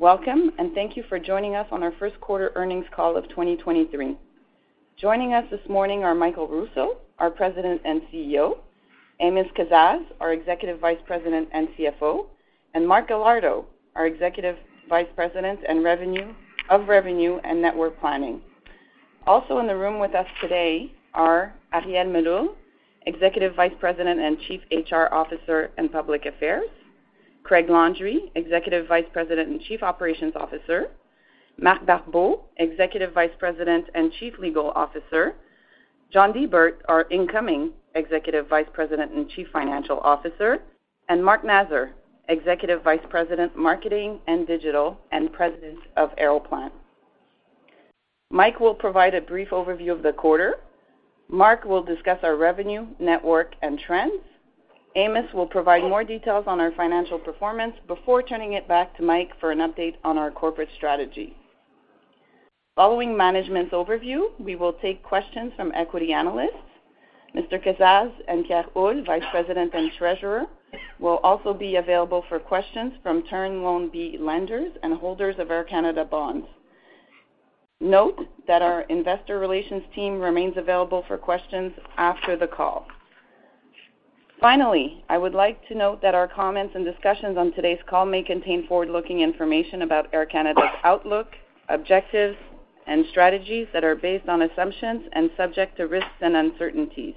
Welcome, thank you for joining us on our first quarter earnings call of 2023. Joining us this morning are Michael Rousseau, our President and CEO, Amos Kazzaz, our Executive Vice President and CFO, and Mark Galardo, our Executive Vice President of Revenue and Network Planning. Also in the room with us today are Arielle Meloul-Wechsler, Executive Vice President and Chief HR Officer and Public Affairs, Craig Landry, Executive Vice President and Chief Operations Officer, Marc Barbeau, Executive Vice President and Chief Legal Officer, John Di Bert, our incoming Executive Vice President and Chief Financial Officer, and Mark Nasr, Executive Vice President, Marketing and Digital and President of Aeroplan. Mike will provide a brief overview of the quarter. Mark will discuss our revenue, network, and trends. Amos will provide more details on our financial performance before turning it back to Mike for an update on our corporate strategy. Following management's overview, we will take questions from equity analysts. Amos Kazzaz and Pierre Huot, Vice President and Treasurer, will also be available for questions from Term Loan B lenders and holders of Air Canada bonds. Note that our investor relations team remains available for questions after the call. Finally, I would like to note that our comments and discussions on today's call may contain forward-looking information about Air Canada's outlook, objectives, and strategies that are based on assumptions and subject to risks and uncertainties.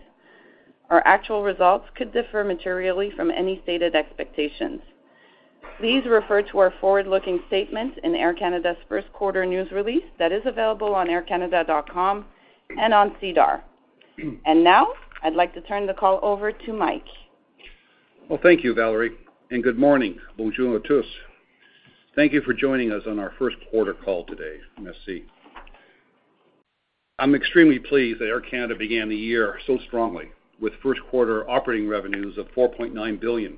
Our actual results could differ materially from any stated expectations. Please refer to our forward-looking statements in Air Canada's first quarter news release that is available on aircanada.com and on SEDAR. Now, I'd like to turn the call over to Mike. Well, thank you, Valerie, and good morning. Bonjour tous. Thank you for joining us on our first quarter call today. Merci. I'm extremely pleased that Air Canada began the year so strongly, with first quarter operating revenues of 4.9 billion,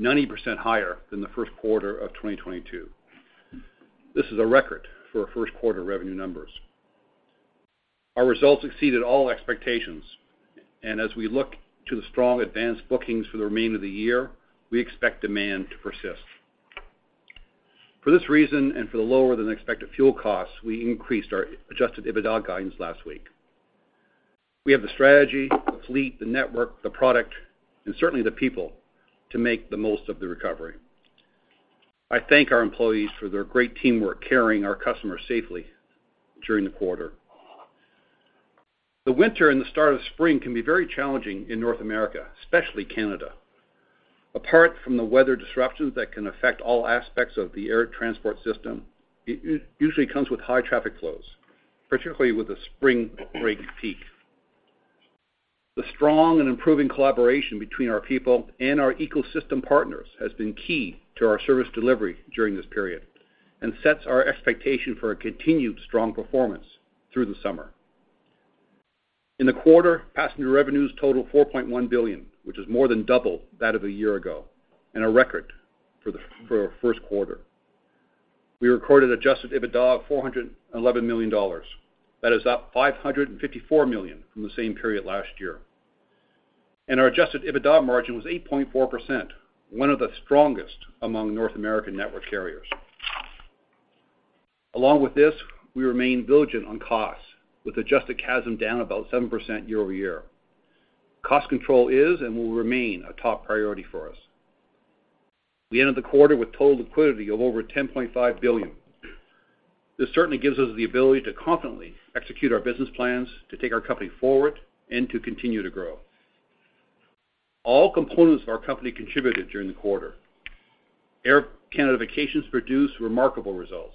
90% higher than the first quarter of 2022. This is a record for first quarter revenue numbers. Our results exceeded all expectations, and as we look to the strong advanced bookings for the remainder of the year, we expect demand to persist. For this reason, and for the lower than expected fuel costs, we increased our adjusted EBITDA guidance last week. We have the strategy, the fleet, the network, the product, and certainly the people to make the most of the recovery. I thank our employees for their great teamwork, carrying our customers safely during the quarter. The winter and the start of spring can be very challenging in North America, especially Canada. Apart from the weather disruptions that can affect all aspects of the air transport system, it usually comes with high traffic flows, particularly with the spring break peak. The strong and improving collaboration between our people and our ecosystem partners has been key to our service delivery during this period and sets our expectation for a continued strong performance through the summer. In the quarter, passenger revenues total 4.1 billion, which is more than double that of a year ago and a record for our first quarter. We recorded adjusted EBITDA of 411 million dollars. That is up 554 million from the same period last year. Our adjusted EBITDA margin was 8.4%, one of the strongest among North American network carriers. Along with this, we remain vigilant on costs, with adjusted CASM down about 7% year-over-year. Cost control is and will remain a top priority for us. We ended the quarter with total liquidity of over 10.5 billion. This certainly gives us the ability to confidently execute our business plans, to take our company forward, and to continue to grow. All components of our company contributed during the quarter. Air Canada Vacations produced remarkable results,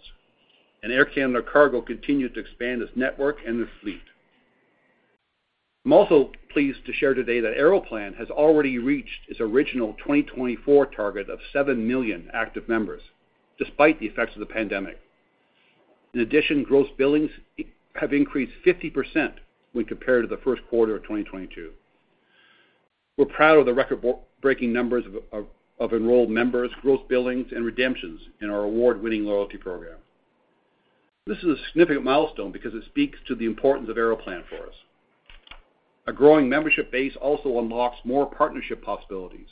and Air Canada Cargo continued to expand its network and their fleet. I'm also pleased to share today that Aeroplan has already reached its original 2024 target of 7 million active members, despite the effects of the pandemic. In addition, gross billings have increased 50% when compared to the first quarter of 2022. We're proud of the record-breaking numbers of enrolled members, growth billings, and redemptions in our award-winning loyalty program. This is a significant milestone because it speaks to the importance of Aeroplan for us. A growing membership base also unlocks more partnership possibilities,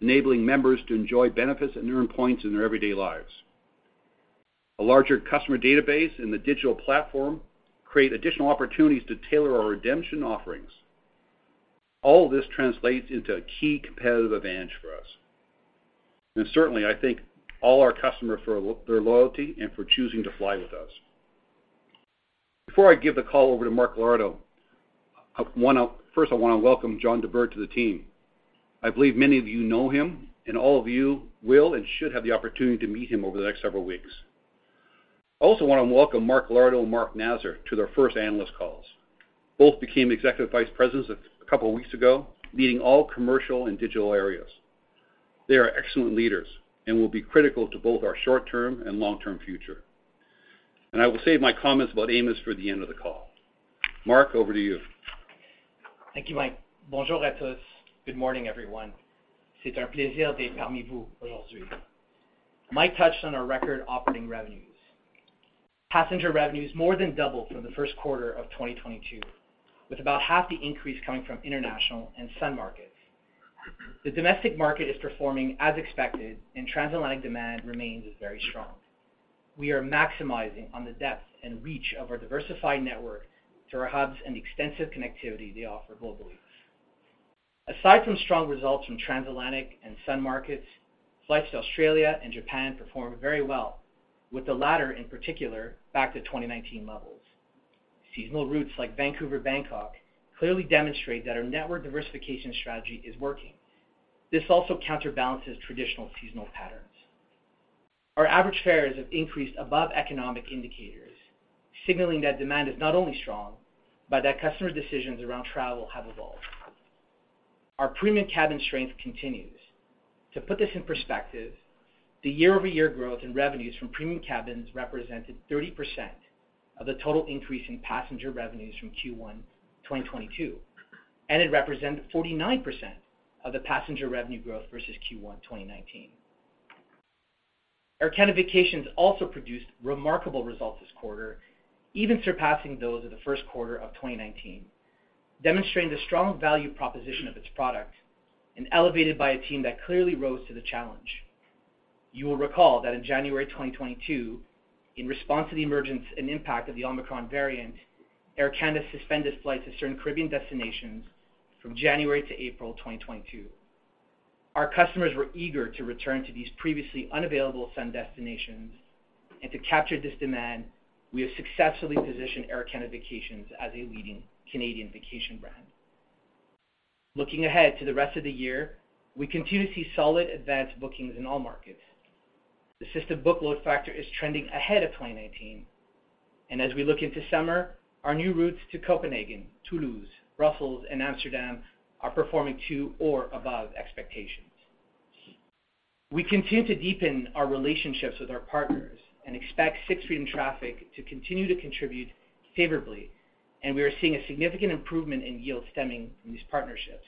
enabling members to enjoy benefits and earn points in their everyday lives. A larger customer database in the digital platform create additional opportunities to tailor our redemption offerings. All this translates into a key competitive advantage for us. Certainly, I thank all our customers for their loyalty and for choosing to fly with us. Before I give the call over to Mark Galardo, first, I wanna welcome John Di Bert to the team. I believe many of you know him, and all of you will and should have the opportunity to meet him over the next several weeks. I also want to welcome Mark Galardo and Mark Nasr to their first analyst calls. Both became executive vice presidents a couple of weeks ago, leading all commercial and digital areas. They are excellent leaders and will be critical to both our short-term and long-term future. I will save my comments about Amos for the end of the call. Mark, over to you. Thank you, Mike. Bonjour à tous. Good morning, everyone. C'est un plaisir d'être parmi vous aujourd'hui. Mike touched on our record operating revenues. Passenger revenues more than doubled from the first quarter of 2022, with about half the increase coming from international and sun markets The domestic market is performing as expected and transatlantic demand remains very strong. We are maximizing on the depth and reach of our diversified network to our hubs and extensive connectivity they offer globally. Aside from strong results from transatlantic and sun markets, flights to Australia and Japan performed very well, with the latter in particular back to 2019 levels. Seasonal routes like Vancouver, Bangkok clearly demonstrate that our network diversification strategy is working. This also counterbalances traditional seasonal patterns. Our average fares have increased above economic indicators, signaling that demand is not only strong, but that customer decisions around travel have evolved. Our premium cabin strength continues. To put this in perspective, the year-over-year growth in revenues from premium cabins represented 30% of the total increase in passenger revenues from Q1 2022, and it represented 49% of the passenger revenue growth versus Q1 2019. Air Canada Vacations also produced remarkable results this quarter, even surpassing those of the first quarter of 2019, demonstrating the strong value proposition of its product and elevated by a team that clearly rose to the challenge. You will recall that in January 2022, in response to the emergence and impact of the Omicron variant, Air Canada suspended flights to certain Caribbean destinations from January to April 2022. To capture this demand, we have successfully positioned Air Canada Vacations as a leading Canadian vacation brand. Looking ahead to the rest of the year, we continue to see solid advanced bookings in all markets. The system booked load factor is trending ahead of 2019, and as we look into summer, our new routes to Copenhagen, Toulouse, Brussels and Amsterdam are performing to or above expectations. We continue to deepen our relationships with our partners and expect Sixth Freedom traffic to continue to contribute favorably, and we are seeing a significant improvement in yield stemming from these partnerships.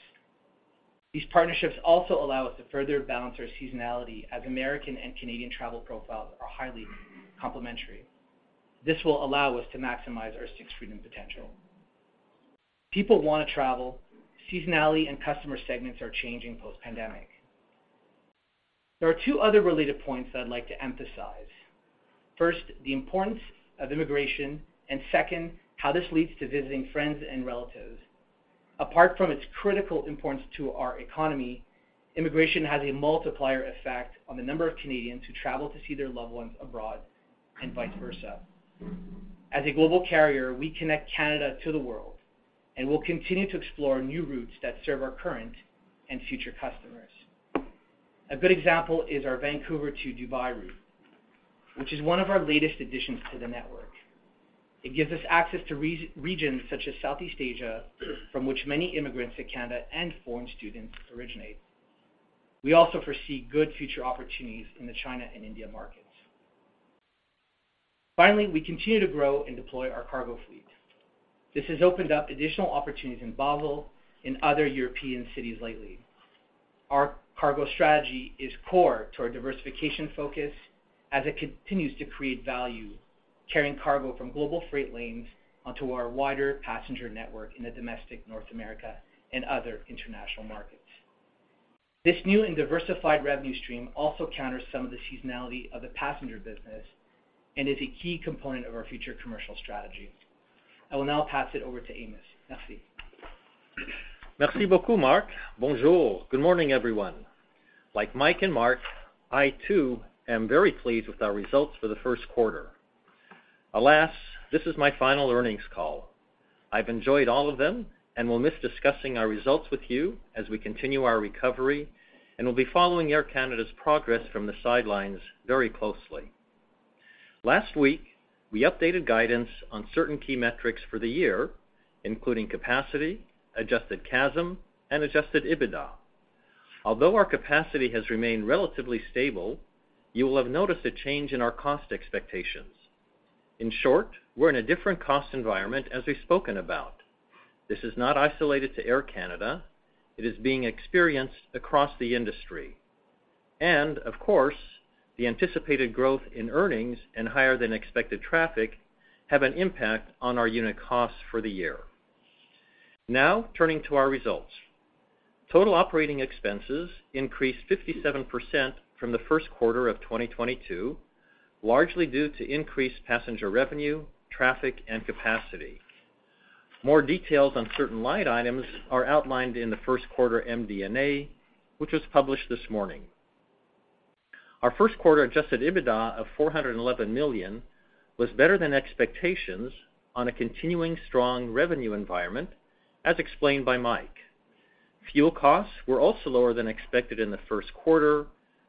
These partnerships also allow us to further balance our seasonality as American and Canadian travel profiles are highly complementary. This will allow us to maximize our Sixth Freedom potential. People want to travel. Seasonality and customer segments are changing post-pandemic. There are two other related points that I'd like to emphasize. First, the importance of immigration, and second, how this leads to visiting friends and relatives. Apart from its critical importance to our economy, immigration has a multiplier effect on the number of Canadians who travel to see their loved ones abroad and vice versa. As a global carrier, we connect Canada to the world, and we'll continue to explore new routes that serve our current and future customers. A good example is our Vancouver to Dubai route, which is one of our latest additions to the network. It gives us access to regions such as Southeast Asia, from which many immigrants to Canada and foreign students originate. We also foresee good future opportunities in the China and India markets. Finally, we continue to grow and deploy our cargo fleet. This has opened up additional opportunities in Basel in other European cities lately. Our cargo strategy is core to our diversification focus as it continues to create value, carrying cargo from global freight lanes onto our wider passenger network in the domestic North America and other international markets. This new and diversified revenue stream also counters some of the seasonality of the passenger business and is a key component of our future commercial strategy. I will now pass it over to Amos. Merci. Merci beaucoup, Mark. Bonjour. Good morning, everyone. Like Mike and Mark, I too am very pleased with our results for the first quarter. Alas, this is my final earnings call. I've enjoyed all of them and will miss discussing our results with you as we continue our recovery and will be following Air Canada's progress from the sidelines very closely. Last week, we updated guidance on certain key metrics for the year, including capacity, Adjusted CASM and Adjusted EBITDA. Although our capacity has remained relatively stable, you will have noticed a change in our cost expectations. In short, we're in a different cost environment as we've spoken about. This is not isolated to Air Canada, it is being experienced across the industry. Of course, the anticipated growth in earnings and higher than expected traffic have an impact on our unit costs for the year. Now, turning to our results. Total operating expenses increased 57% from the first quarter of 2022, largely due to increased passenger revenue, traffic and capacity. More details on certain line items are outlined in the first quarter MD&A, which was published this morning. Our first quarter adjusted EBITDA of 411 million was better than expectations on a continuing strong revenue environment as explained by Mike. Fuel costs were also lower than expected in the first quarter,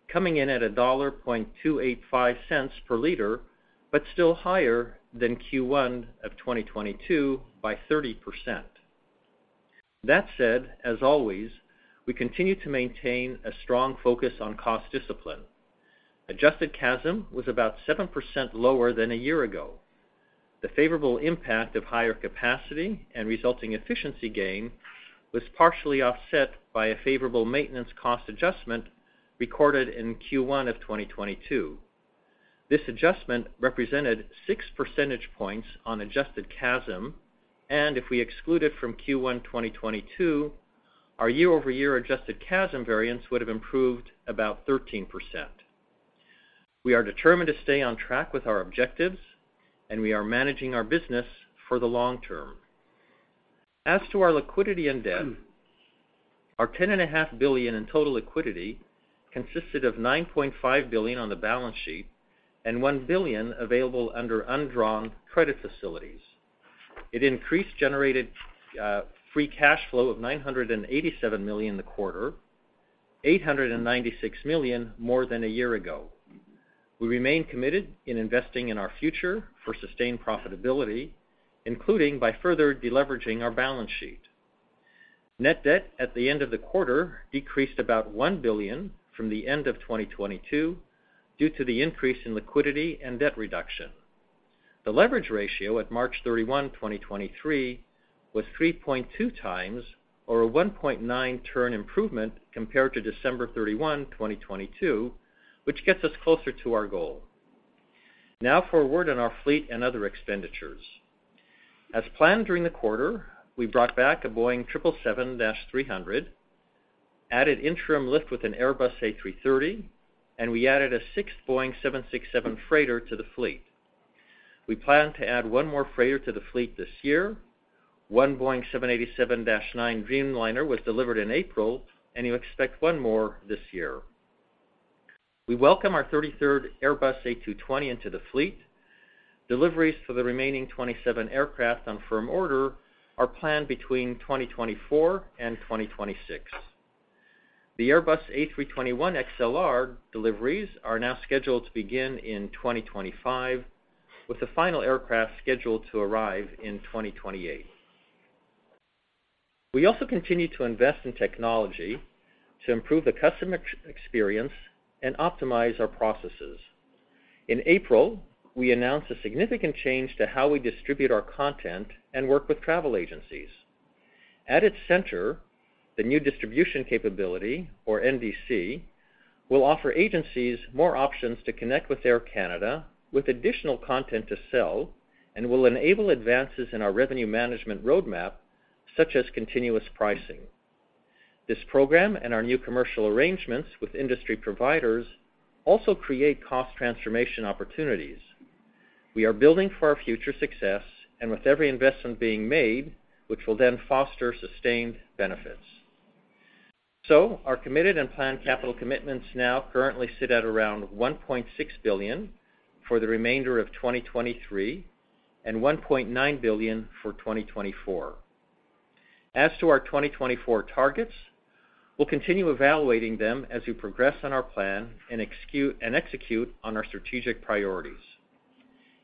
coming in at 1.285 dollar per liter, but still higher than Q1 of 2022 by 30%. That said, as always, we continue to maintain a strong focus on cost discipline. Adjusted CASM was about 7% lower than a year ago. The favorable impact of higher capacity and resulting efficiency gain was partially offset by a favorable maintenance cost adjustment recorded in Q1 2022. This adjustment represented 6 percentage points on Adjusted CASM. If we exclude it from Q1 2022, our year-over-year Adjusted CASM variance would have improved about 13%. We are determined to stay on track with our objectives, and we are managing our business for the long term. As to our liquidity and debt, our 10.5 billion in total liquidity consisted of 9.5 billion on the balance sheet and 1 billion available under undrawn credit facilities. It increased generated free cash flow of 987 million in the quarter, 896 million more than a year ago. We remain committed in investing in our future for sustained profitability, including by further de-leveraging our balance sheet. Net debt at the end of the quarter decreased about 1 billion from the end of 2022 due to the increase in liquidity and debt reduction. The leverage ratio at March 31, 2023, was 3.2x or a 1.9 turn improvement compared to December 31, 2022, which gets us closer to our goal. For a word on our fleet and other expenditures. As planned during the quarter, we brought back a Boeing 777-300, added interim lift with an Airbus A330, and we added a sixth Boeing 767 freighter to the fleet. We plan to add one more freighter to the fleet this year. One Boeing 787-9 Dreamliner was delivered in April, and you expect one more this year. We welcome our 33rd Airbus A220 into the fleet. Deliveries for the remaining 27 aircraft on firm order are planned between 2024 and 2026. The Airbus A321XLR deliveries are now scheduled to begin in 2025, with the final aircraft scheduled to arrive in 2028. We also continue to invest in technology to improve the customer experience and optimize our processes. In April, we announced a significant change to how we distribute our content and work with travel agencies. At its center, the new distribution capability, or NDC, will offer agencies more options to connect with Air Canada with additional content to sell and will enable advances in our revenue management roadmap, such as continuous pricing. This program and our new commercial arrangements with industry providers also create cost transformation opportunities. We are building for our future success with every investment being made, which will then foster sustained benefits. Our committed and planned capital commitments now currently sit at around 1.6 billion for the remainder of 2023 and 1.9 billion for 2024. As to our 2024 targets, we'll continue evaluating them as we progress on our plan and execute on our strategic priorities.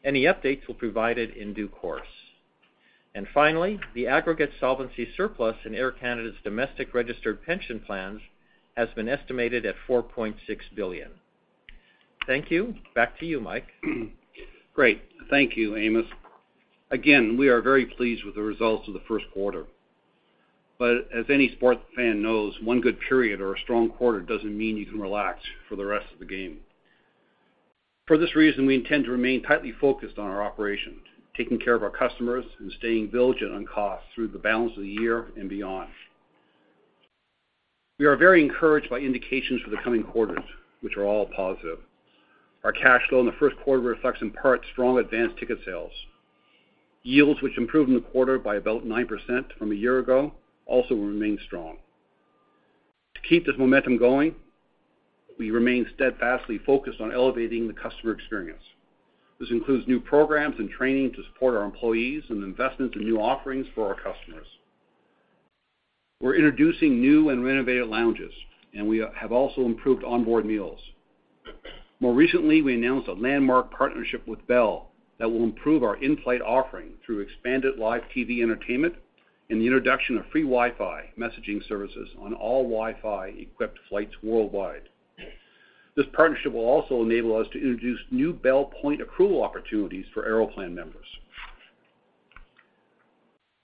Any updates we'll provide it in due course. Finally, the aggregate solvency surplus in Air Canada's domestic registered pension plans has been estimated at 4.6 billion. Thank you. Back to you, Mike. Great. Thank you, Amos. Again, we are very pleased with the results of the first quarter. As any sports fan knows, one good period or a strong quarter doesn't mean you can relax for the rest of the game. For this reason, we intend to remain tightly focused on our operations, taking care of our customers, and staying diligent on costs through the balance of the year and beyond. We are very encouraged by indications for the coming quarters, which are all positive. Our cash flow in the first quarter reflects in part strong advanced ticket sales. Yields, which improved in the quarter by about 9% from a year ago, also will remain strong. To keep this momentum going, we remain steadfastly focused on elevating the customer experience. This includes new programs and training to support our employees and investments in new offerings for our customers. We're introducing new and renovated lounges, and we have also improved onboard meals. More recently, we announced a landmark partnership with Bell that will improve our in-flight offering through expanded live TV entertainment and the introduction of free Wi-Fi messaging services on all Wi-Fi-equipped flights worldwide. This partnership will also enable us to introduce new Bell point accrual opportunities for Aeroplan members.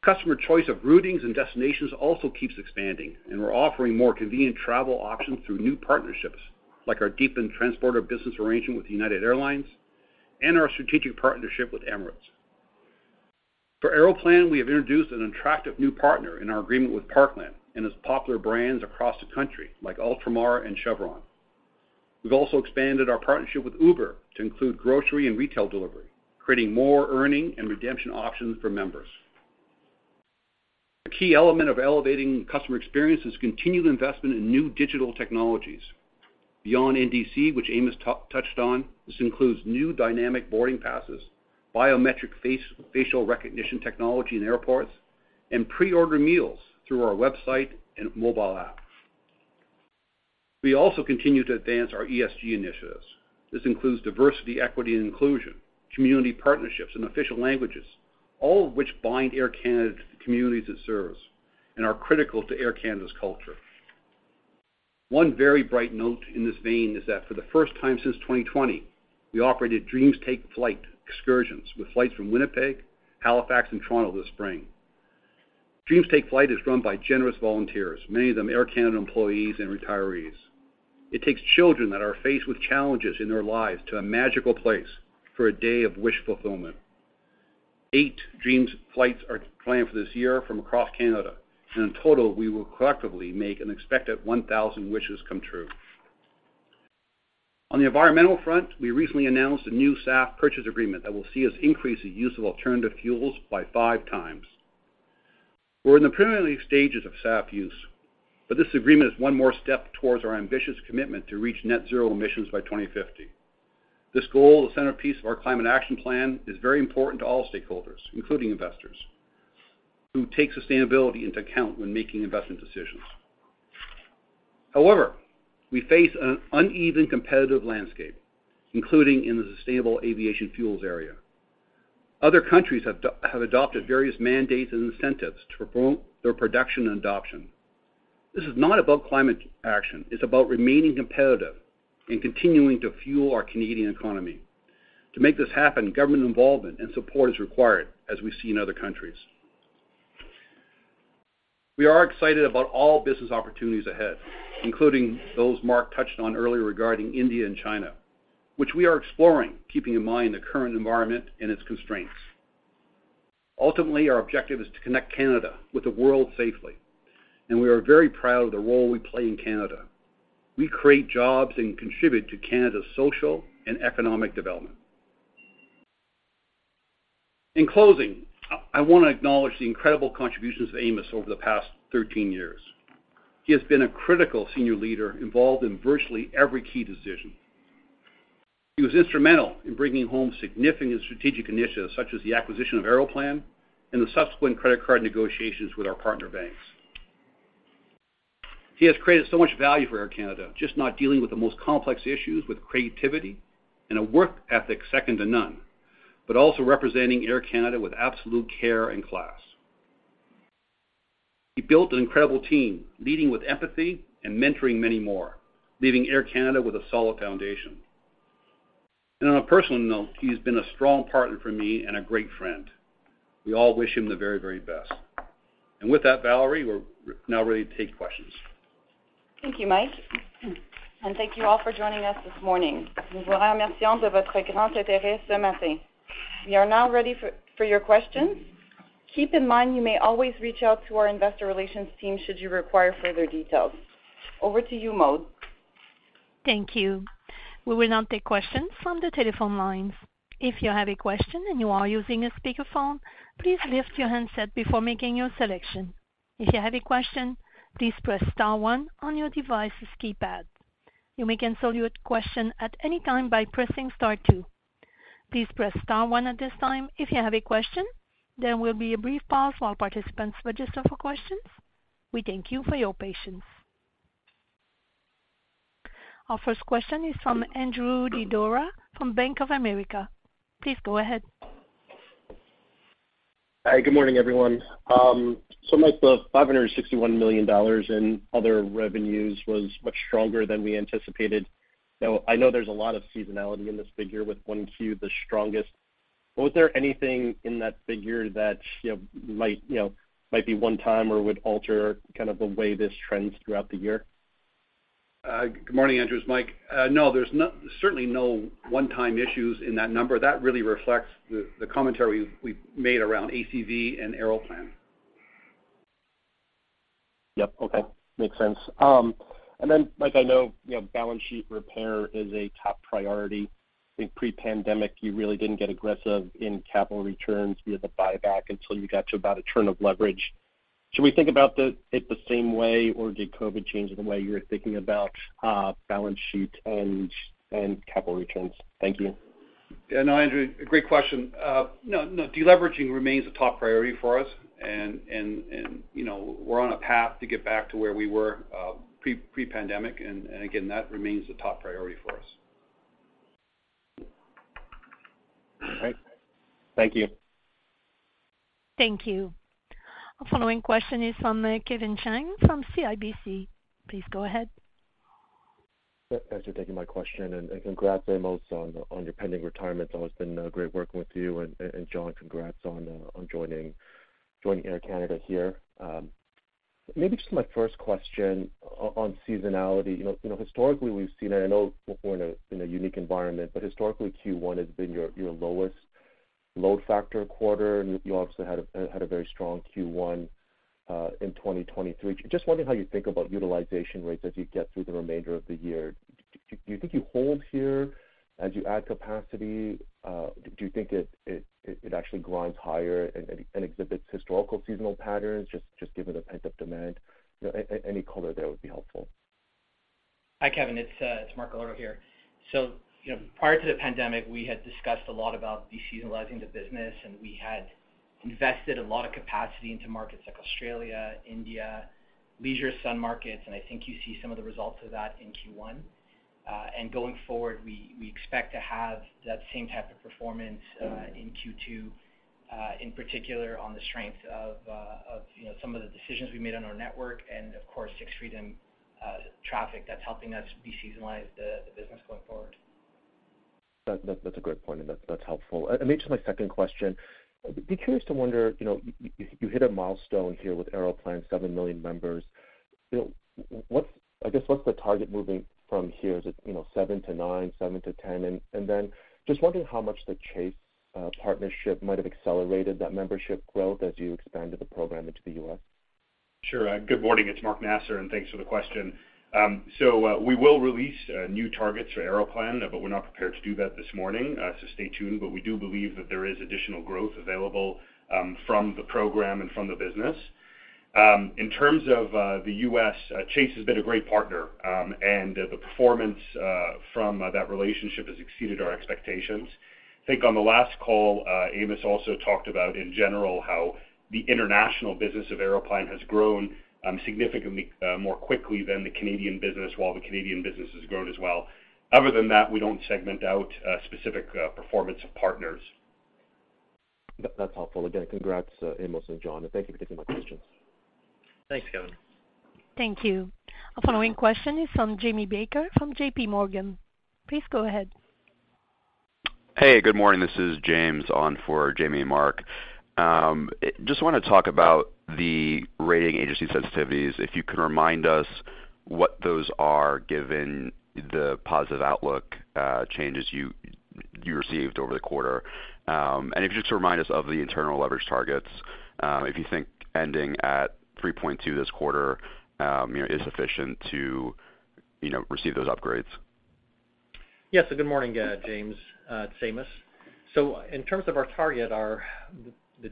Customer choice of routings and destinations also keeps expanding, and we're offering more convenient travel options through new partnerships, like our deepened transport of business arrangement with United Airlines and our strategic partnership with Emirates. For Aeroplan, we have introduced an attractive new partner in our agreement with Parkland and its popular brands across the country, like Ultramar and Chevron. We've also expanded our partnership with Uber to include grocery and retail delivery, creating more earning and redemption options for members. A key element of elevating customer experience is continued investment in new digital technologies. Beyond NDC, which Amos touched on, this includes new dynamic boarding passes, biometric facial recognition technology in airports, and pre-order meals through our website and mobile app. We also continue to advance our ESG initiatives. This includes diversity, equity, and inclusion, community partnerships, and official languages, all of which bind Air Canada to the communities it serves and are critical to Air Canada's culture. One very bright note in this vein is that for the first time since 2020, we operated Dreams Take Flight excursions with flights from Winnipeg, Halifax, and Toronto this spring. Dreams Take Flight is run by generous volunteers, many of them Air Canada employees and retirees. It takes children that are faced with challenges in their lives to a magical place for a day of wish fulfillment. 8 dreams flights are planned for this year from across Canada. In total, we will collectively make an expected 1,000 wishes come true. On the environmental front, we recently announced a new SAF purchase agreement that will see us increase the use of alternative fuels by 5x. We're in the preliminary stages of SAF use. This agreement is one more step towards our ambitious commitment to reach net zero emissions by 2050. This goal, the centerpiece of our climate action plan, is very important to all stakeholders, including investors who take sustainability into account when making investment decisions. However, we face an uneven competitive landscape, including in the sustainable aviation fuels area. Other countries have adopted various mandates and incentives to promote their production and adoption. This is not about climate action, it's about remaining competitive and continuing to fuel our Canadian economy. To make this happen, government involvement and support is required, as we see in other countries. We are excited about all business opportunities ahead, including those Mark touched on earlier regarding India and China, which we are exploring, keeping in mind the current environment and its constraints. Ultimately, our objective is to connect Canada with the world safely, we are very proud of the role we play in Canada. We create jobs and contribute to Canada's social and economic development. In closing, I wanna acknowledge the incredible contributions of Amos over the past 13 years. He has been a critical senior leader involved in virtually every key decision. He was instrumental in bringing home significant strategic initiatives such as the acquisition of Aeroplan and the subsequent credit card negotiations with our partner banks. He has created so much value for Air Canada, just not dealing with the most complex issues with creativity and a work ethic second to none, but also representing Air Canada with absolute care and class. He built an incredible team, leading with empathy and mentoring many more, leaving Air Canada with a solid foundation. On a personal note, he's been a strong partner for me and a great friend. We all wish him the very, very best. With that, Valerie, we're now ready to take questions. Thank you, Mike, and thank you all for joining us this morning. We are now ready for your questions. Keep in mind you may always reach out to our investor relations team should you require further details. Over to you, Moe. Thank you. We will now take questions from the telephone lines. If you have a question and you are using a speakerphone, please lift your handset before making your selection. If you have a question, please press star one on your device's keypad. You may cancel your question at any time by pressing star two. Please press star one at this time if you have a question. There will be a brief pause while participants register for questions. We thank you for your patience. Our first question is from Andrew Didora from Bank of America. Please go ahead. Hi, good morning, everyone. Mike, the 561 million dollars in other revenues was much stronger than we anticipated. I know there's a lot of seasonality in this figure with Q1 the strongest, but was there anything in that figure that, you know, might, you know, might be one time or would alter kind of the way this trends throughout the year? Good morning, Andrew. It's Mike. No, there's certainly no one-time issues in that number. That really reflects the commentary we've made around ACV and Aeroplan. Yep. Okay. Makes sense. Mike, I know, you know, balance sheet repair is a top priority. I think pre-pandemic, you really didn't get aggressive in capital returns via the buyback until you got to about a turn of leverage. Should we think about it the same way, or did COVID change the way you're thinking about, balance sheet and capital returns? Thank you. Yeah. No, Andrew, a great question. No, deleveraging remains a top priority for us and, you know, we're on a path to get back to where we were, pre-pandemic. Again, that remains a top priority for us. All right. Thank you. Thank you. Our following question is from Kevin Chiang from CIBC. Please go ahead. Thanks for taking my question, and congrats, Amos, on your pending retirement. It's always been great working with you. John, congrats on joining Air Canada here. Maybe just my first question on seasonality. You know, historically, we've seen, and I know we're in a unique environment, but historically Q1 has been your lowest load factor quarter, and you obviously had a very strong Q1 in 2023. Just wondering how you think about utilization rates as you get through the remainder of the year. Do you think you hold here as you add capacity? Do you think it actually grinds higher and exhibits historical seasonal patterns just given the pent-up demand? You know, any color there would be helpful. Hi, Kevin. It's Mark Galardo here. You know, prior to the pandemic, we had discussed a lot about de-seasonalizing the business, and we had invested a lot of capacity into markets like Australia, India, leisure sun markets, and I think you see some of the results of that in Q1. Going forward, we expect to have that same type of performance in Q2, in particular on the strength of, you know, some of the decisions we made on our network and of course Sixth Freedom traffic that's helping us de-seasonalize the business going forward. That's a good point, and that's helpful. Maybe just my second question. Be curious to wonder, you know, you hit a milestone here with Aeroplan, 7 million members. I guess, what's the target moving from here? Is it, you know, 7 to 9, 7 to 10? And then just wondering how much the Chase partnership might have accelerated that membership growth as you expanded the program into the U.S. Sure. Good morning, it's Mark Nasr, and thanks for the question. We will release new targets for Aeroplan, but we're not prepared to do that this morning, so stay tuned. We do believe that there is additional growth available from the program and from the business. In terms of the U.S., Chase has been a great partner, and the performance from that relationship has exceeded our expectations. I think on the last call, Amos also talked about, in general, how the international business of Aeroplan has grown significantly more quickly than the Canadian business, while the Canadian business has grown as well. Other than that, we don't segment out specific performance of partners. That's helpful. Again, congrats, Amos and John, and thank you for taking my questions. Thanks, Kevin. Thank you. Our following question is from Jamie Baker from JPMorgan. Please go ahead. Hey, good morning. This is James on for Jamie Baker. Just wanna talk about the rating agency sensitivities, if you can remind us what those are given the positive outlook, changes you received over the quarter. If you just remind us of the internal leverage targets, if you think ending at 3.2x this quarter, you know, is sufficient to, you know, receive those upgrades. Good morning, James. It's Amos. In terms of the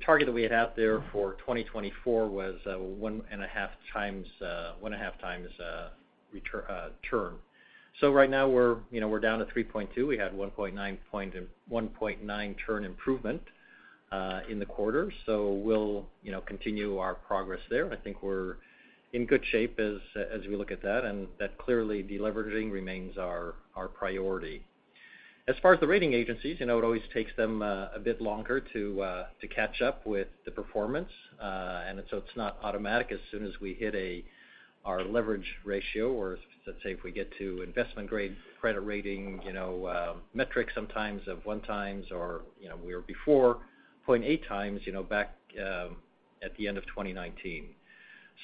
target that we had out there for 2024 was 1.5x turn. Right now we're, you know, we're down to 3.2x. We had 1.9 turn improvement in the quarter. We'll, you know, continue our progress there. I think we're in good shape as we look at that, and that clearly de-leveraging remains our priority. As far as the rating agencies, you know, it always takes them a bit longer to catch up with the performance. It's not automatic as soon as we hit our leverage ratio or let's say if we get to investment-grade credit rating, you know, metrics sometimes of 1x or, you know, we were before 0.8x, you know, back, at the end of 2019.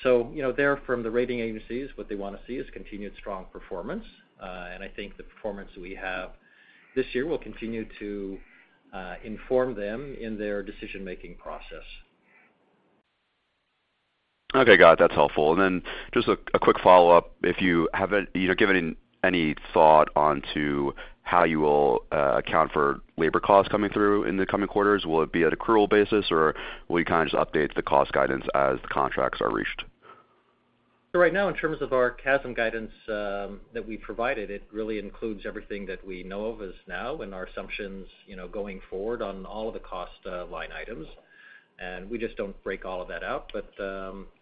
You know, there from the rating agencies, what they wanna see is continued strong performance. I think the performance we have this year will continue to inform them in their decision-making process. Okay, got it. That's helpful. Just a quick follow up. If you have, you know, given any thought onto how you will account for labor costs coming through in the coming quarters, will it be at accrual basis, or will you kind of just update the cost guidance as the contracts are reached? Right now, in terms of our CASM guidance, that we provided, it really includes everything that we know of as now and our assumptions, you know, going forward on all of the cost line items. We just don't break all of that out.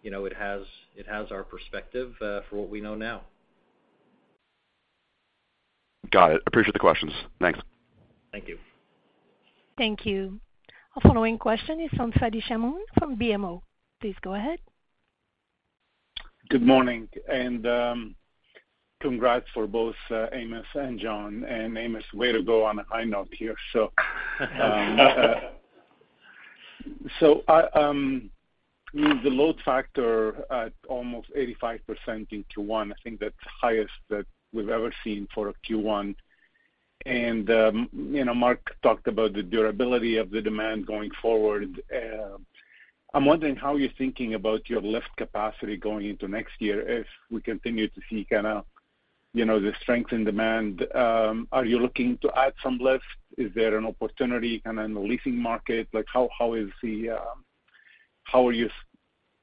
You know, it has our perspective, for what we know now. Got it. Appreciate the questions. Thanks. Thank you. Thank you. Our following question is from Fadi Chamoun from BMO. Please go ahead. Good morning, congrats for both Amos and John. Amos, way to go on a high note here. With the load factor at almost 85% in Q1, I think that's highest that we've ever seen for a Q1. You know, Mark talked about the durability of the demand going forward. I'm wondering how you're thinking about your lift capacity going into next year as we continue to see kinda, you know, the strength in demand. Are you looking to add some lift? Is there an opportunity kind of in the leasing market? Like how are you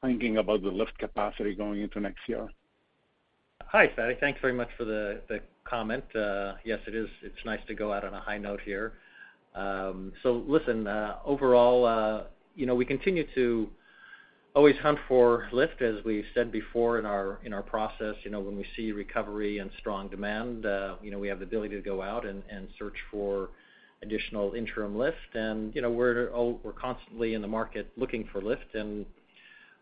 thinking about the lift capacity going into next year? Hi, Fadi. Thanks very much for the comment. Yes, it is. It's nice to go out on a high note here. Listen, you know, overall, we continue to always hunt for lift, as we've said before in our process. You know, when we see recovery and strong demand, you know, we have the ability to go out and search for additional interim lift. You know, we're constantly in the market looking for lift, and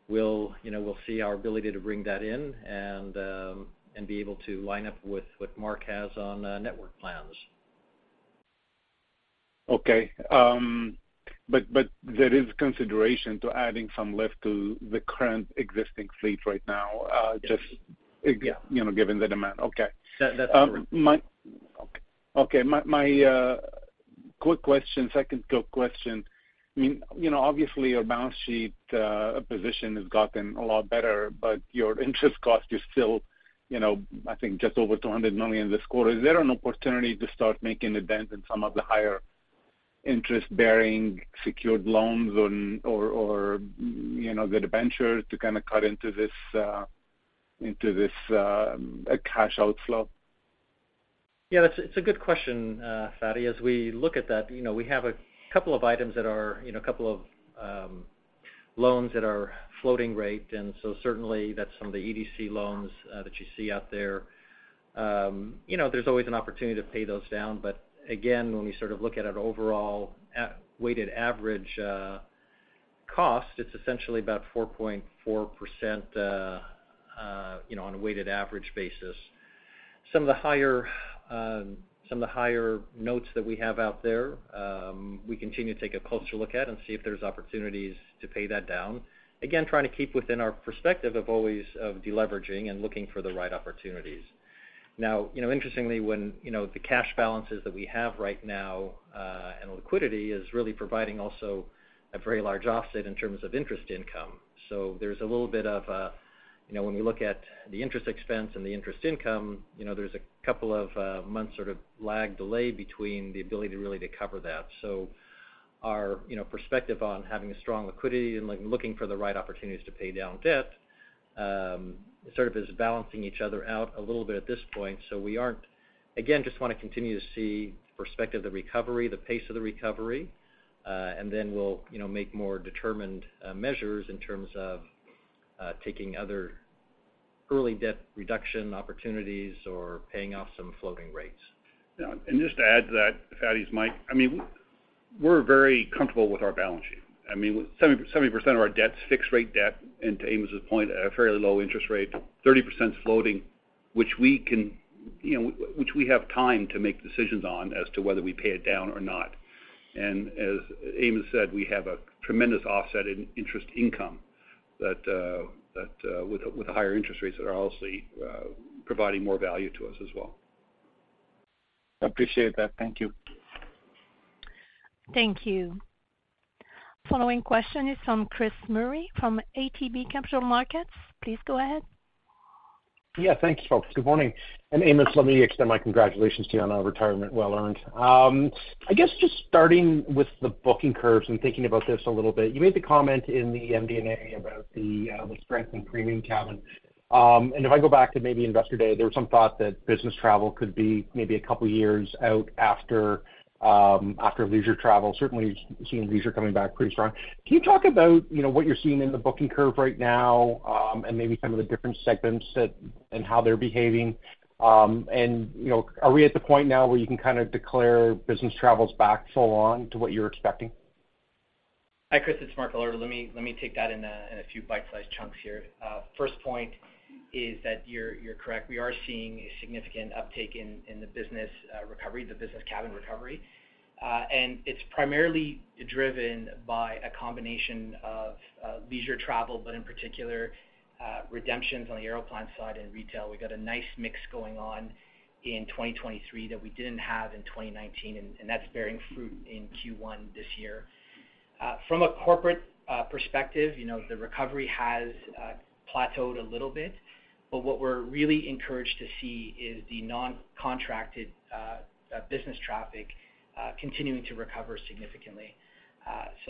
we'll, you know, we'll see our ability to bring that in and be able to line up with what Mark has on network plans. Okay. There is consideration to adding some lift to the current existing fleet right now. Yeah. You know, given the demand. Okay. That's true. Second quick question. I mean, you know, obviously your balance sheet position has gotten a lot better, but your interest cost is still, you know, I think just over 200 million this quarter. Is there an opportunity to start making a dent in some of the higher interest-bearing secured loans, you know, the debentures to kind of cut into this cash outflow? Yeah, that's a good question, Fadi. As we look at that, you know, we have a couple of items that are, you know, a couple of loans that are floating rate. Certainly that's some of the EDC loans that you see out there. You know, there's always an opportunity to pay those down. Again, when we sort of look at an overall weighted average cost, it's essentially about 4.4%, you know, on a weighted average basis. Some of the higher notes that we have out there, we continue to take a closer look at and see if there's opportunities to pay that down. Again, trying to keep within our perspective of always of deleveraging and looking for the right opportunities. You know, interestingly, when, you know, the cash balances that we have right now, and liquidity is really providing also a very large offset in terms of interest income. There's a little bit of. You know, when we look at the interest expense and the interest income, you know, there's a couple of months sort of lag delay between the ability to really to cover that. Our, you know, perspective on having a strong liquidity and like looking for the right opportunities to pay down debt, sort of is balancing each other out a little bit at this point. Again, just wanna continue to see the perspective of the recovery, the pace of the recovery, and then we'll, you know, make more determined measures in terms of taking other early debt reduction opportunities or paying off some floating rates. Yeah. Just to add to that, Fadi, is Mike. I mean, we're very comfortable with our balance sheet. I mean, 70% of our debt's fixed rate debt, and to Amos' point, at a fairly low interest rate. 30% floating, which we can, you know, which we have time to make decisions on as to whether we pay it down or not. As Amos said, we have a tremendous offset in interest income that with higher interest rates that are obviously providing more value to us as well. I appreciate that. Thank you. Thank you. Following question is from Chris Murray from ATB Capital Markets. Please go ahead. Yeah, thank you, folks. Good morning. Amos, let me extend my congratulations to you on a retirement well earned. I guess just starting with the booking curves and thinking about this a little bit, you made the comment in the MD&A about the strength in premium cabin. If I go back to maybe Investor Day, there was some thought that business travel could be maybe 2 years out after leisure travel. Certainly, we've seen leisure coming back pretty strong. Can you talk about, you know, what you're seeing in the booking curve right now, and maybe some of the different segments that, and how they're behaving? You know, are we at the point now where you can kinda declare business travel's back full on to what you're expecting? Hi, Chris. It's Mark Galardo. Let me take that in a few bite-sized chunks here. First point is that you're correct. We are seeing a significant uptake in the business recovery, the business cabin recovery. It's primarily driven by a combination of leisure travel, but in particular, redemptions on the Aeroplan side and retail. We've got a nice mix going on in 2023 that we didn't have in 2019, and that's bearing fruit in Q1 this year. From a corporate perspective, you know, the recovery has plateaued a little bit, but what we're really encouraged to see is the non-contracted business traffic continuing to recover significantly.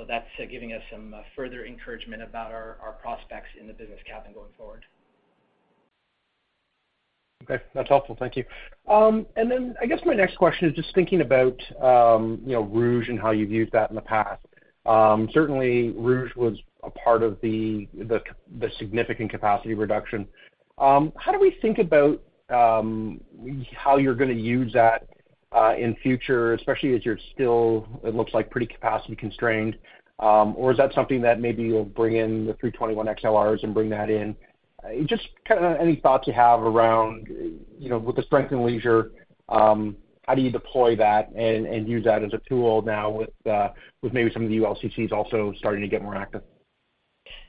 That's giving us some further encouragement about our prospects in the business cabin going forward. Okay, that's helpful. Thank you. I guess my next question is just thinking about, you know, Rouge and how you've used that in the past. Certainly Rouge was a part of the significant capacity reduction. How do we think about, how you're gonna use that in future, especially as you're still, it looks like pretty capacity constrained? Is that something that maybe you'll bring in the A321XLRs and bring that in? Just kinda any thoughts you have around, you know, with the strength in leisure, how do you deploy that and use that as a tool now with maybe some of the ULCCs also starting to get more active?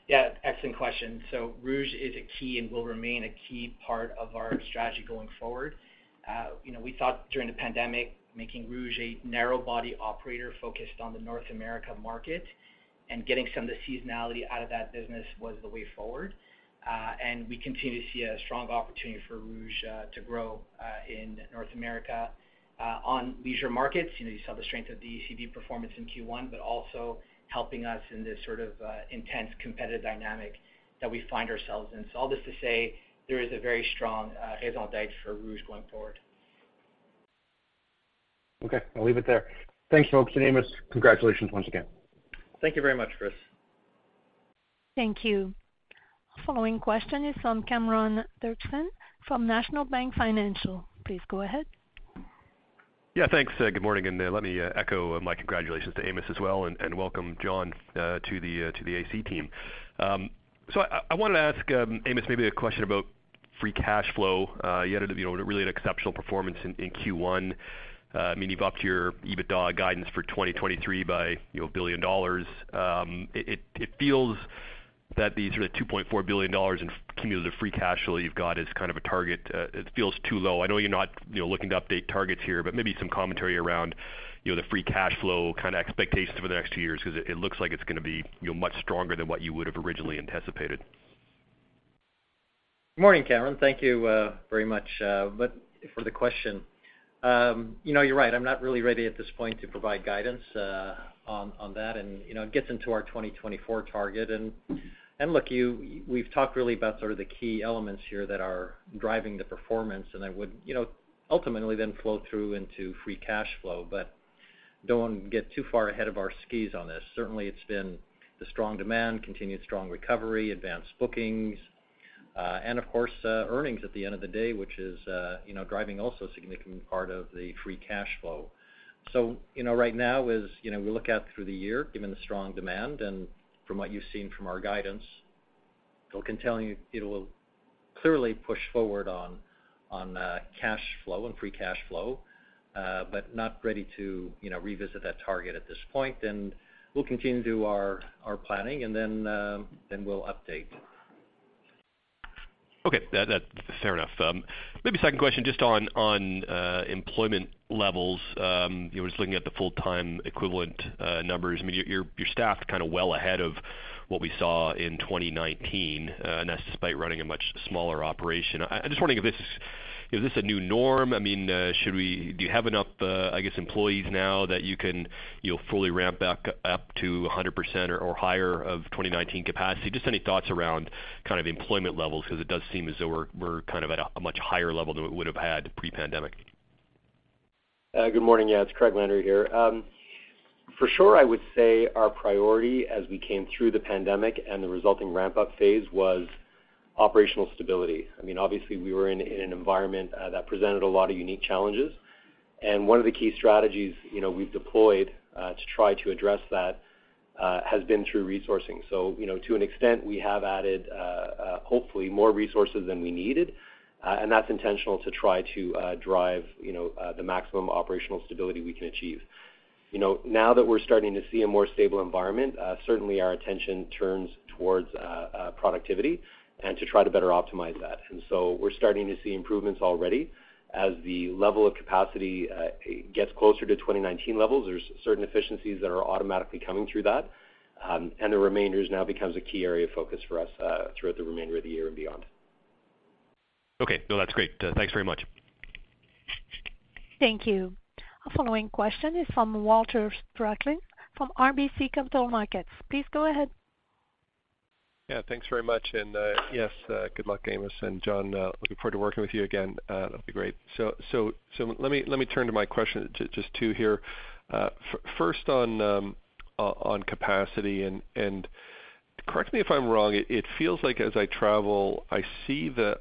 Yeah, excellent question. Rouge is a key and will remain a key part of our strategy going forward. You know, we thought during the pandemic, making Rouge a narrow body operator focused on the North America market and getting some of the seasonality out of that business was the way forward. We continue to see a strong opportunity for Rouge to grow in North America on leisure markets. You know, you saw the strength of the ACV performance in Q1, but also helping us in this sort of intense competitive dynamic that we find ourselves in. All this to say there is a very strong raison d'être for Rouge going forward. Okay. I'll leave it there. Thanks, folks. Amos, congratulations once again. Thank you very much, Chris. Thank you. Following question is from Cameron Doerksen from National Bank Financial. Please go ahead. Yeah, thanks. Good morning, let me echo my congratulations to Amos as well and welcome John to the AC team. I wanted to ask Amos maybe a question about free cash flow. You had, you know, really an exceptional performance in Q1. I mean, you've upped your EBITDA guidance for 2023 by, you know, $1 billion. It feels that the sort of $2.4 billion in cumulative free cash flow you've got is kind of a target. It feels too low. I know you're not, you know, looking to update targets here, but maybe some commentary around, you know, the free cash flow kinda expectation for the next two years, 'cause it looks like it's gonna be, you know, much stronger than what you would have originally anticipated. Morning, Cameron. Thank you very much for the question. You know, you're right. I'm not really ready at this point to provide guidance on that. You know, it gets into our 2024 target. Look, we've talked really about sort of the key elements here that are driving the performance, and that would, you know, ultimately then flow through into free cash flow. Don't wanna get too far ahead of our skis on this. Certainly, it's been the strong demand, continued strong recovery, advanced bookings. Of course, earnings at the end of the day, which is, you know, driving also a significant part of the free cash flow. You know, right now is, you know, we look out through the year, given the strong demand and from what you've seen from our guidance, look and tell you it will clearly push forward on cash flow and free cash flow, but not ready to, you know, revisit that target at this point. We'll continue to do our planning and then we'll update. Okay. That's fair enough. Maybe second question just on employment levels, you know, just looking at the full-time equivalent numbers. I mean, your staff is kind of well ahead of what we saw in 2019, and that's despite running a much smaller operation. I'm just wondering if this is a new norm? I mean, do you have enough, I guess, employees now that you'll fully ramp back up to 100% or higher of 2019 capacity? Just any thoughts around kind of employment levels, because it does seem as though we're kind of at a much higher level than we would have had pre-pandemic. Good morning. Yeah, it's Craig Landry here. For sure, I would say our priority as we came through the pandemic and the resulting ramp-up phase was operational stability. I mean, obviously we were in an environment that presented a lot of unique challenges. One of the key strategies, you know, we've deployed to try to address that has been through resourcing. You know, to an extent we have added hopefully more resources than we needed, and that's intentional to try to drive, you know, the maximum operational stability we can achieve. You know, now that we're starting to see a more stable environment, certainly our attention turns towards productivity and to try to better optimize that. We're starting to see improvements already. As the level of capacity, gets closer to 2019 levels, there's certain efficiencies that are automatically coming through that. The remainder is now becomes a key area of focus for us, throughout the remainder of the year and beyond. Okay. No, that's great. Thanks very much. Thank you. Our following question is from Walter Spracklin from RBC Capital Markets. Please go ahead. Yeah, thanks very much. Yes, good luck, Amos. John, looking forward to working with you again. That'll be great. Let me turn to my question, just two here. First on capacity, and correct me if I'm wrong, it feels like as I travel, I see the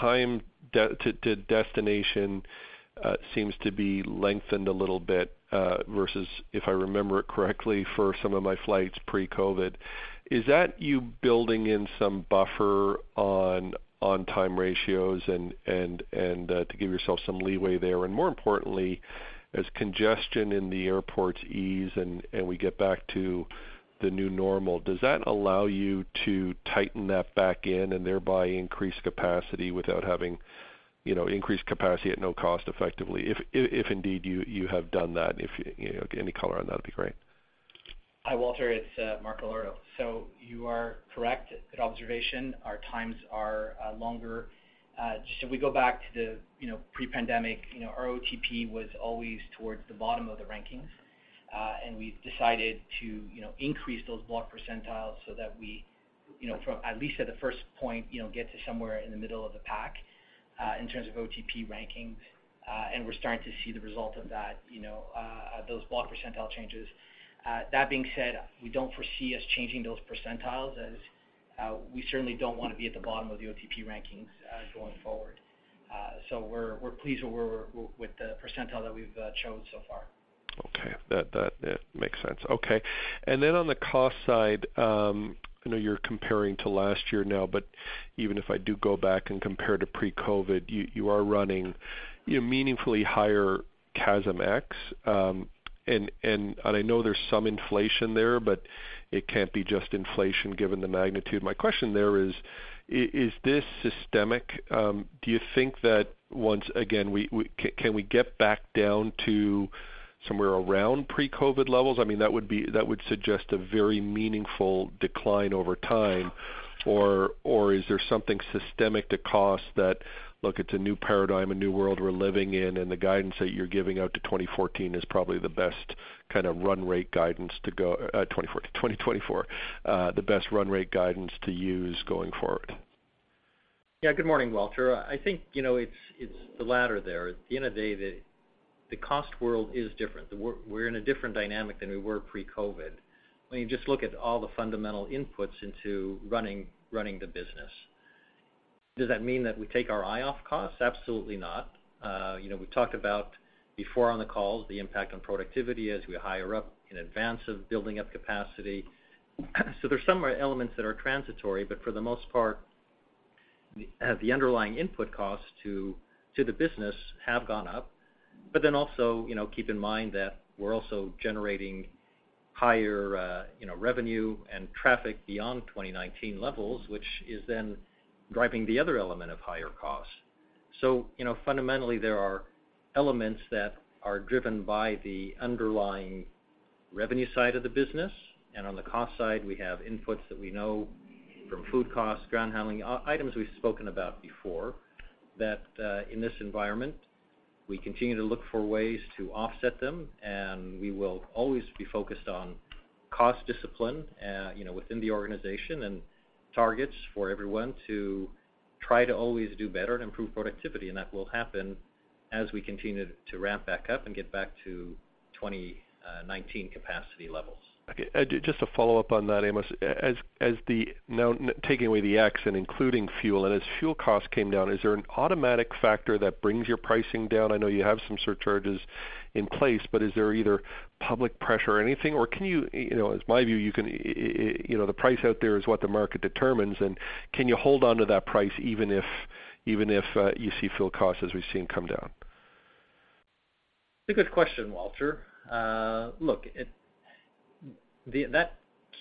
time to destination, seems to be lengthened a little bit versus if I remember it correctly for some of my flights pre-COVID. Is that you building in some buffer on time ratios and to give yourself some leeway there? More importantly, as congestion in the airports ease and we get back to the new normal, does that allow you to tighten that back in and thereby increase capacity without having, you know, increased capacity at no cost effectively, if indeed you have done that? You know, any color on that'd be great. Hi, Walter. It's Mark Galardo. You are correct. Good observation. Our times are longer. Should we go back to the, you know, pre-pandemic, you know, our OTP was always towards the bottom of the rankings. We've decided to, you know, increase those block percentiles so that we, you know, from at least at the first point, you know, get to somewhere in the middle of the pack, in terms of OTP ranking. We're starting to see the result of that, you know, those block percentile changes. That being said, we don't foresee us changing those percentiles as we certainly don't want to be at the bottom of the OTP rankings going forward. We're pleased with where we're with the percentile that we've shown so far. Okay. That, yeah, makes sense. Okay. Then on the cost side, I know you're comparing to last year now, but even if I do go back and compare to pre-COVID, you are running, you know, meaningfully higher CASM-ex. And I know there's some inflation there, but it can't be just inflation given the magnitude. My question there is this systemic? Do you think that once again we, can we get back down to somewhere around pre-COVID levels? I mean, that would suggest a very meaningful decline over time. Is there something systemic to cost that, look, it's a new paradigm, a new world we're living in, and the guidance that you're giving out to 2014 is probably the best kind of run rate guidance to go, 2024, to 2024, the best run rate guidance to use going forward. Yeah. Good morning, Walter. I think, you know, it's the latter there. At the end of the day, the cost world is different. We're in a different dynamic than we were pre-COVID. When you just look at all the fundamental inputs into running the business. Does that mean that we take our eye off costs? Absolutely not. You know, we've talked about before on the calls the impact on productivity as we hire up in advance of building up capacity. There's some elements that are transitory, but for the most part, the underlying input costs to the business have gone up. Also, you know, keep in mind that we're also generating higher, you know, revenue and traffic beyond 2019 levels, which is then driving the other element of higher costs. You know, fundamentally, there are elements that are driven by the underlying revenue side of the business, and on the cost side, we have inputs that we know from food costs, ground handling, items we've spoken about before, that, in this environment, we continue to look for ways to offset them, and we will always be focused on cost discipline, you know, within the organization and targets for everyone to try to always do better and improve productivity, and that will happen as we continue to ramp back up and get back to 2019 capacity levels. Okay. just to follow up on that, Amos. As now taking away the X and including fuel, as fuel costs came down, is there an automatic factor that brings your pricing down? I know you have some surcharges in place, but is there either public pressure or anything? Can you know, as my view, you can, you know, the price out there is what the market determines, can you hold onto that price even if, you see fuel costs as we've seen come down? It's a good question, Walter. Look, that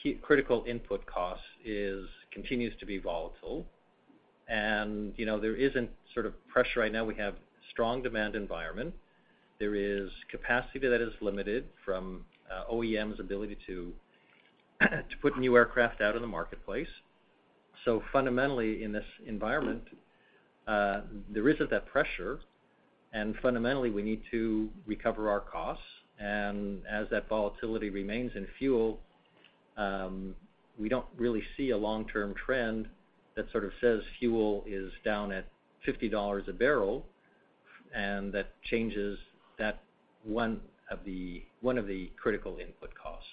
key critical input cost is, continues to be volatile, and, you know, there isn't sort of pressure right now. We have strong demand environment. There is capacity that is limited from OEM's ability to put new aircraft out in the marketplace. Fundamentally in this environment, there isn't that pressure, and fundamentally, we need to recover our costs. As that volatility remains in fuel, we don't really see a long-term trend that sort of says fuel is down at $50 a barrel and that changes that one of the critical input costs.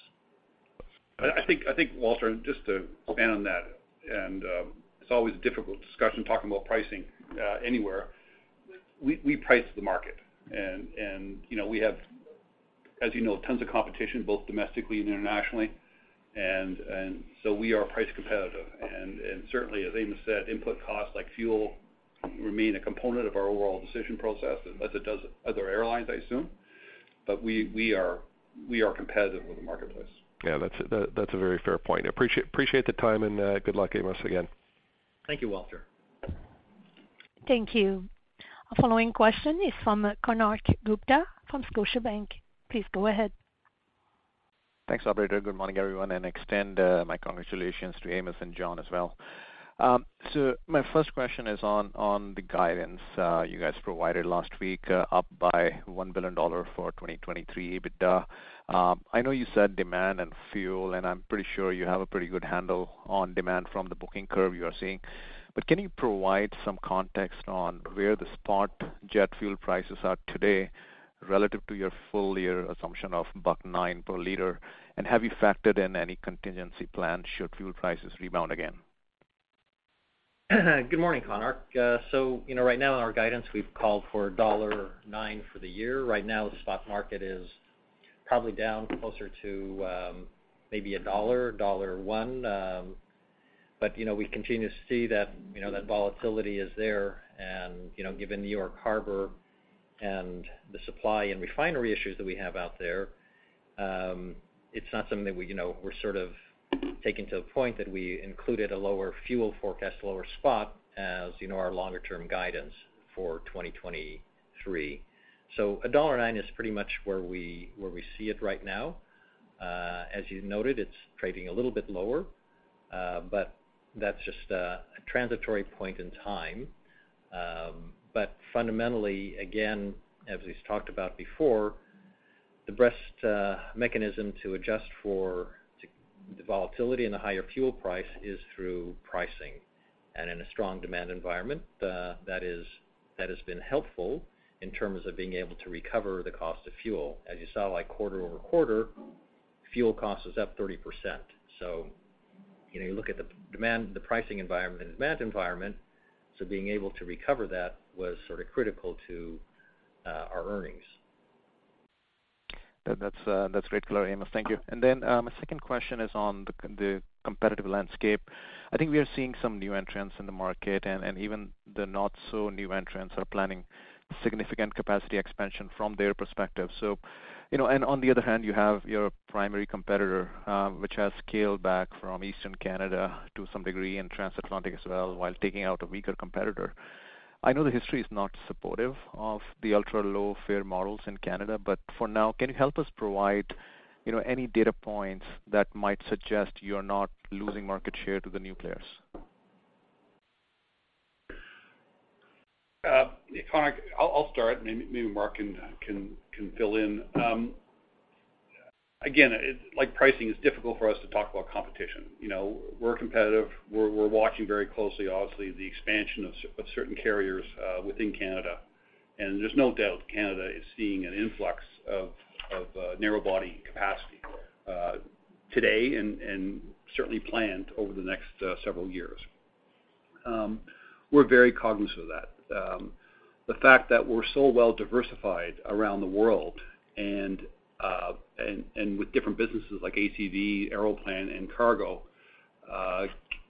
I think, Walter, just to expand on that, it's always a difficult discussion talking about pricing anywhere. We price the market and, you know, we have, as you know, tons of competition, both domestically and internationally. So we are price competitive. Certainly as Amos said, input costs like fuel remain a component of our overall decision process as it does other airlines, I assume. We are competitive with the marketplace. Yeah. That's, that's a very fair point. Appreciate the time and, good luck, Amos, again. Thank you, Walter. Thank you. Our following question is from Konark Gupta from Scotiabank. Please go ahead. Thanks, operator. Good morning, everyone, and extend my congratulations to Amos and John as well. My first question is on the guidance you guys provided last week, up by 1 billion dollar for 2023 EBITDA. I know you said demand and fuel, and I'm pretty sure you have a pretty good handle on demand from the booking curve you are seeing. Can you provide some context on where the spot jet fuel prices are today relative to your full year assumption of 1.09 per liter? Have you factored in any contingency plan should fuel prices rebound again? Good morning, Konark. You know, right now in our guidance, we've called for $1.09 for the year. Right now the spot market is probably down closer to, maybe $1.00, $1.01. You know, we continue to see that, you know, that volatility is there and, you know, given New York Harbor and the supply and refinery issues that we have out there, it's not something that we, you know, we're sort of taking to a point that we included a lower fuel forecast, lower spot as, you know, our longer term guidance for 2023. $1.09 is pretty much where we, where we see it right now. As you noted, it's trading a little bit lower, but that's just a transitory point in time. Fundamentally, again, as we've talked about before, the best mechanism to adjust for the volatility and the higher fuel price is through pricing. In a strong demand environment, that has been helpful in terms of being able to recover the cost of fuel. As you saw, like quarter-over-quarter, fuel cost is up 30%. You know, you look at the demand, the pricing environment and demand environment, so being able to recover that was sort of critical to our earnings. That's great color, Amos. Thank you. My second question is on the competitive landscape. I think we are seeing some new entrants in the market and even the not so new entrants are planning significant capacity expansion from their perspective. You know, on the other hand, you have your primary competitor, which has scaled back from Eastern Canada to some degree and transatlantic as well while taking out a weaker competitor. I know the history is not supportive of the ultra-low fare models in Canada, but for now, can you help us provide, you know, any data points that might suggest you're not losing market share to the new players? Konark, I'll start and maybe Mark can fill in. Again, like pricing is difficult for us to talk about competition. You know, we're competitive. We're watching very closely obviously, the expansion of certain carriers within Canada. There's no doubt Canada is seeing an influx of narrow body capacity today and certainly planned over the next several years. We're very cognizant of that. The fact that we're so well diversified around the world and with different businesses like ACV, Aeroplan, and Cargo,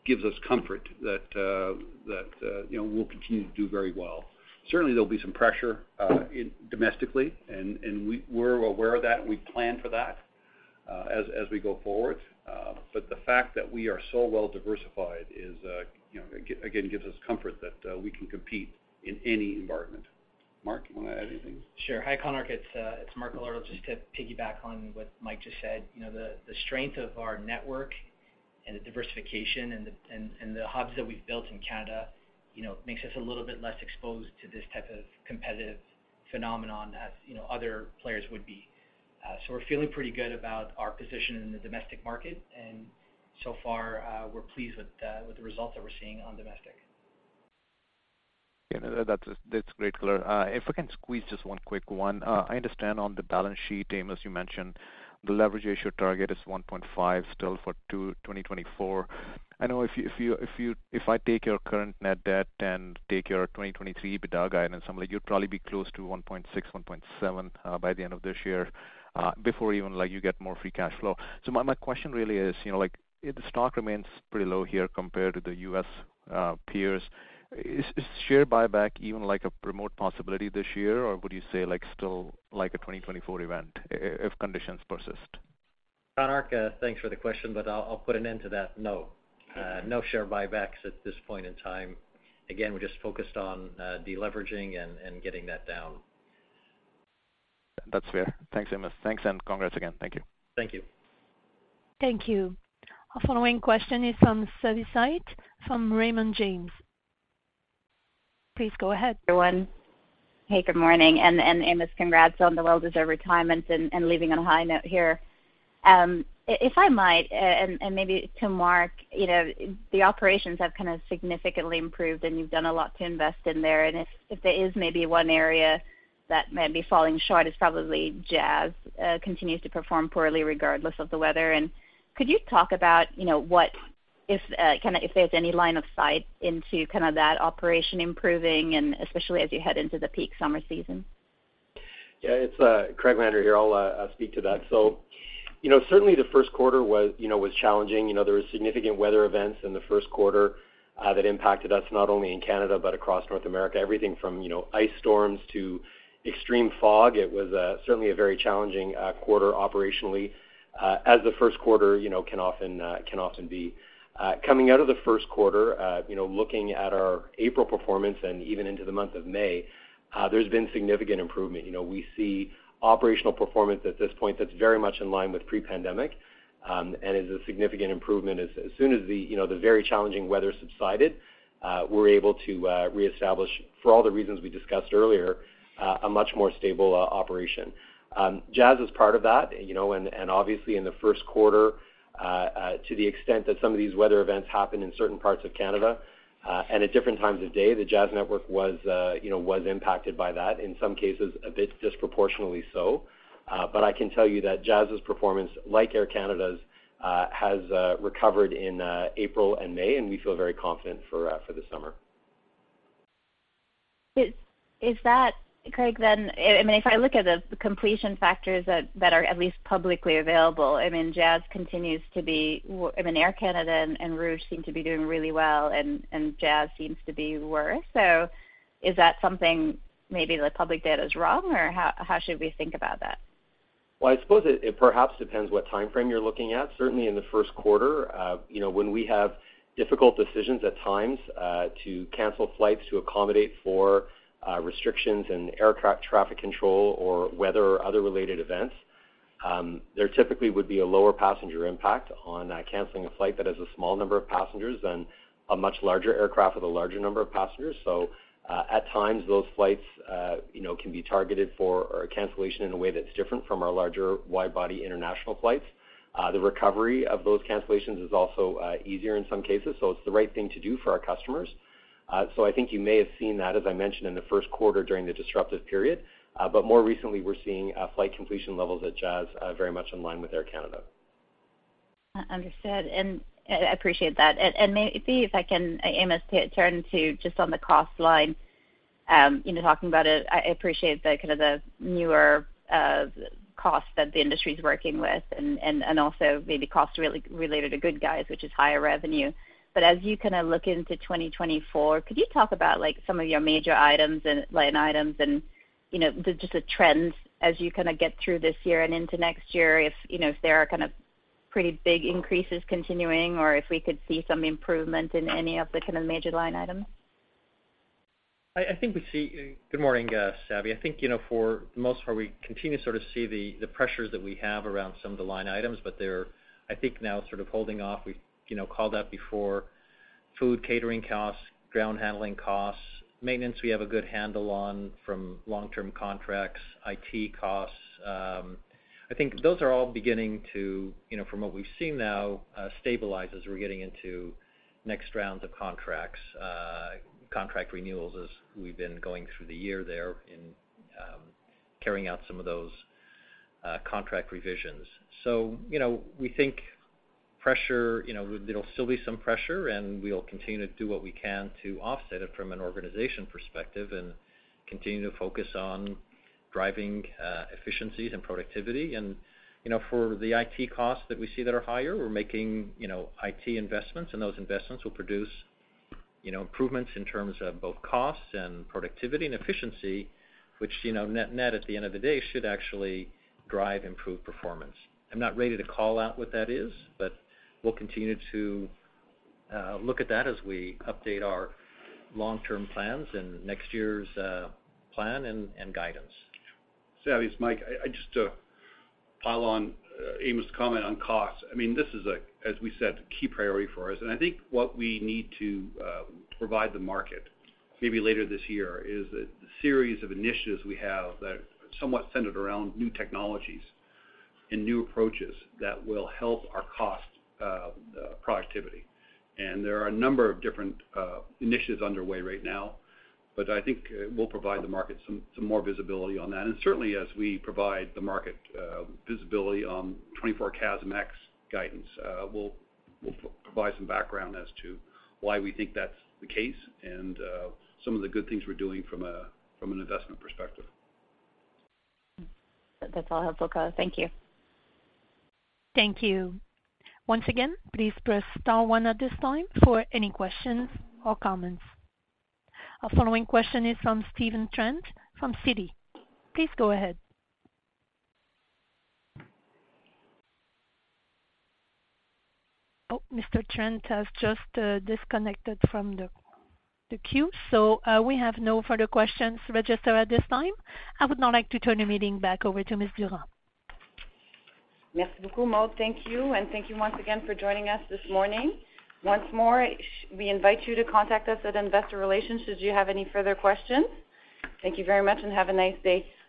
gives us comfort that, you know, we'll continue to do very well. Certainly there'll be some pressure in domestically and we're aware of that and we plan for that as we go forward. The fact that we are so well diversified is, you know, again, gives us comfort that we can compete in any environment. Mark, you wanna add anything? Sure. Hi, Konark. It's Mark Galardo. Just to piggyback on what Mike just said, you know, the strength of our network and the diversification and the hubs that we've built in Canada, you know, makes us a little bit less exposed to this type of competitive phenomenon as, you know, other players would be We're feeling pretty good about our position in the domestic market, and so far, we're pleased with the results that we're seeing on domestic. Yeah, that's great, Colin. If I can squeeze just one quick one. I understand on the balance sheet, Amos Kazzaz, you mentioned the leverage ratio target is 1.5 still for 2024. I know if I take your current net debt and take your 2023 EBITDA guidance, I'm like, you'll probably be close to 1.6, 1.7 by the end of this year, before even like you get more free cash flow. My question really is, you know, like, if the stock remains pretty low here compared to the U.S. peers, is share buyback even like a remote possibility this year? Or would you say like still like a 2024 event if conditions persist? Konark, thanks for the question, but I'll put an end to that. No. Okay. No share buybacks at this point in time. We're just focused on deleveraging and getting that down. That's fair. Thanks, Amos. Thanks and congrats again. Thank you. Thank you. Thank you. Our following question is from Savanthi Syth from Raymond James. Please go ahead. Everyone. Hey, good morning. Amos, congrats on the well-deserved retirement and leaving on a high note here. If I might, and maybe to Mark, you know, the operations have kind of significantly improved, and you've done a lot to invest in there. If there is maybe one area that may be falling short, it's probably Jazz continues to perform poorly regardless of the weather. Could you talk about, you know, what if, kinda if there's any line of sight into that operation improving and especially as you head into the peak summer season? Yeah, it's, Craig Landry here. I'll speak to that. You know, certainly the first quarter was, you know, was challenging. You know, there was significant weather events in the first quarter, that impacted us not only in Canada, but across North America. Everything from, you know, ice storms to extreme fog. It was certainly a very challenging quarter operationally, as the first quarter, you know, can often can often be. Coming out of the first quarter, you know, looking at our April performance and even into the month of May, there's been significant improvement. You know, we see operational performance at this point that's very much in line with pre-pandemic, and is a significant improvement. As soon as the, you know, the very challenging weather subsided, we're able to reestablish for all the reasons we discussed earlier, a much more stable operation. Jazz is part of that, you know, and obviously in the first quarter, to the extent that some of these weather events happen in certain parts of Canada, and at different times of day, the Jazz network was, you know, was impacted by that, in some cases, a bit disproportionately so. I can tell you that Jazz's performance, like Air Canada's, has recovered in April and May, and we feel very confident for the summer. Is that, Craig, I mean, if I look at the completion factors that are at least publicly available, I mean, Jazz continues to be, I mean Air Canada and Rouge seem to be doing really well and Jazz seems to be worse. Is that something maybe the public data is wrong, or how should we think about that? Well, I suppose it perhaps depends what timeframe you're looking at. Certainly in the 1st quarter, you know, when we have difficult decisions at times, to cancel flights to accommodate for restrictions and aircraft traffic control or weather or other related events, there typically would be a lower passenger impact on canceling a flight that has a small number of passengers than a much larger aircraft with a larger number of passengers. At times those flights, you know, can be targeted for a cancellation in a way that's different from our larger wide-body international flights. The recovery of those cancellations is also easier in some cases, so it's the right thing to do for our customers. I think you may have seen that, as I mentioned in the 1st quarter during the disruptive period. More recently, we're seeing, flight completion levels at Jazz, very much in line with Air Canada. Understood, I appreciate that. Maybe if I can, Amos, turn to just on the cost line, you know, talking about it, I appreciate the, kind of the newer costs that the industry is working with and also maybe cost related to good guys, which is higher revenue. As you kind of look into 2024, could you talk about like some of your major items and line items and, you know, just the trends as you kinda get through this year and into next year if, you know, if there are kind of pretty big increases continuing or if we could see some improvement in any of the kind of major line items? I think we see. Good morning, Savvy. I think, you know, for the most part, we continue to sort of see the pressures that we have around some of the line items, but they're, I think, now sort of holding off. We've, you know, called out before food catering costs, ground handling costs. Maintenance, we have a good handle on from long-term contracts, IT costs. I think those are all beginning to, you know, from what we've seen now, stabilize as we're getting into next rounds of contracts, contract renewals as we've been going through the year there in, carrying out some of those contract revisions. You know, we think pressure, you know, there'll still be some pressure, and we'll continue to do what we can to offset it from an organization perspective and continue to focus on driving efficiencies and productivity. You know, for the IT costs that we see that are higher, we're making, you know, IT investments, and those investments will produce, you know, improvements in terms of both costs and productivity and efficiency, which, you know, net-net at the end of the day, should actually drive improved performance. I'm not ready to call out what that is, but we'll continue to look at that as we update our long-term plans and next year's plan and guidance. Savvy, it's Mike. I just pile on Amos' comment on costs. I mean, this is a, as we said, key priority for us. I think what we need to provide the market maybe later this year is a series of initiatives we have that somewhat centered around new technologies and new approaches that will help our cost productivity. There are a number of different initiatives underway right now, but I think we'll provide the market some more visibility on that. Certainly as we provide the market visibility on 2024 CASM guidance, we'll provide some background as to why we think that's the case and some of the good things we're doing from a, from an investment perspective. That's all helpful. Thank you. Thank you. Once again, please press star one at this time for any questions or comments. Our following question is from Stephen Trent from Citi. Please go ahead. Mr. Trent has just disconnected from the queue. We have no further questions registered at this time. I would now like to turn the meeting back over to Ms. Durand. Merci beaucoup, Maude. Thank you, and thank you once again for joining us this morning. Once more, we invite you to contact us at investor relations should you have any further questions. Thank you very much and have a nice day.